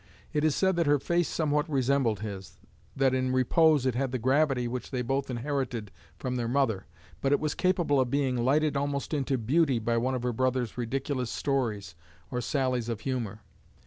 It is said that her face somewhat resembled his, that in repose it had the gravity which they both inherited from their mother, but it was capable of being lighted almost into beauty by one of her brother's ridiculous stories or sallies of humor.